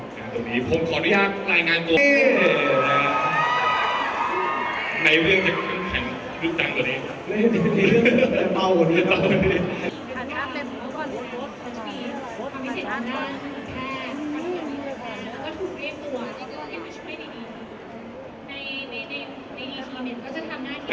เสียงปลดมือจังกัน